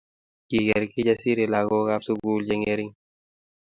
Kiker Kijasiri lagokab sukul chengering